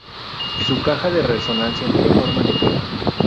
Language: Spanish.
Su caja de resonancia tiene forma de pera.